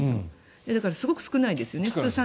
だから、すごく少ないですよね